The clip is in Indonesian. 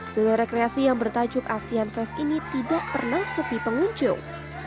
zona rekreasi yang bertajuk asean fest ini tidak pernah sepi pengunjung